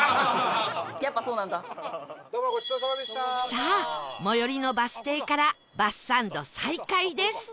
さあ最寄りのバス停からバスサンド再開です